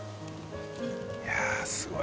い笋すごい。